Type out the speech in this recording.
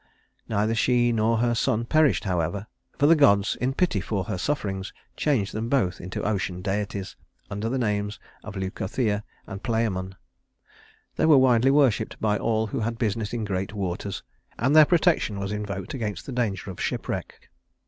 Neither she nor her son perished, however, for the gods, in pity for her sufferings, changed them both into ocean deities under the names of Leucothea and Palæmon. They were widely worshiped by all who had business in great waters, and their protection was invoked against the danger of shipwreck.